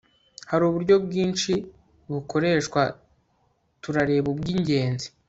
hari uburyo bwinshi bukoreshwa turareba ubw'ingenzi